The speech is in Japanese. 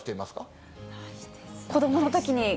子どものときに。